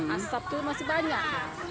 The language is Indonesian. asap tuh masih banyak